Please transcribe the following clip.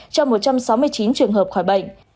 cho một trăm sáu mươi chín trường hợp khỏi bệnh